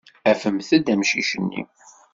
Afemt-d amcic-nni.